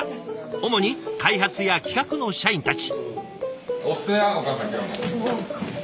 主に開発や企画の社員たち。